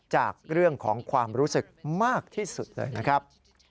จากเรื่องของความรู้สึกมากที่สุดเลยนะครับ